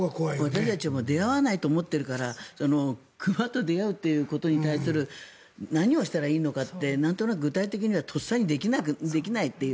私たちも出会わないと思っているから熊と出会うということに対する何をしたらいいのかってなんとなく具体的にはとっさにできないという。